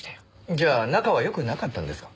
じゃあ仲はよくなかったんですか？